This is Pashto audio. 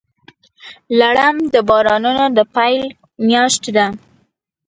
لړم د بارانونو د پیل میاشت ده.